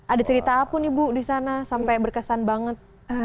ada cerita apa nih bu di sana sampai berkesan banget